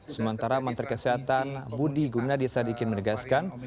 sementara menteri kesehatan budi gunadisadikin menegaskan